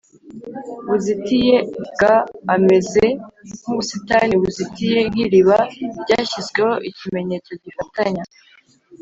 buzitiye g Ameze nk ubusitani buzitiye nk iriba ryashyizweho ikimenyetso gifatanya